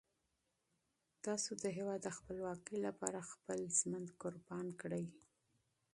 تاسو د هیواد د خپلواکۍ لپاره خپل ژوند قربان کړئ.